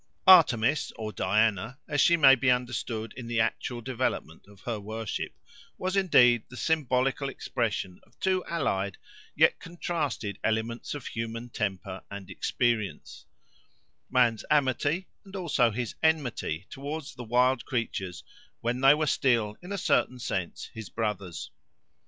Artemis or Diana, as she may be understood in the actual development of her worship, was, indeed, the symbolical expression of two allied yet contrasted elements of human temper and experience—man's amity, and also his enmity, towards the wild creatures, when they were still, in a certain sense, his brothers.